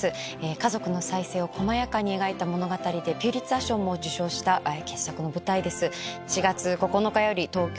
家族の再生を細やかに描いた物語でピュリツァー賞も受賞した傑作の舞台です。